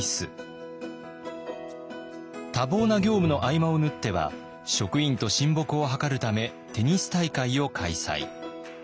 多忙な業務の合間を縫っては職員と親睦を図るためテニス大会を開催。